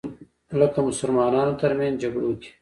لکه مسلمانانو تر منځ جګړو کې